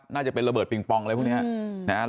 ระเบิดปิงปองอะไรพวกนี้นะครับ